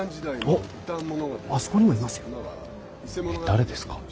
誰ですか？